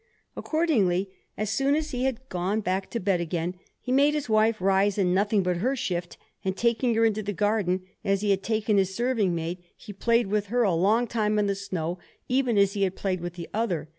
Accordingly, as soon as he had gone back to bed again, he made his wife rise in nothing but her shift, and taking her into the garden as he had taken his serving maid, he played with her for a long time in the snow even as he had played with the other.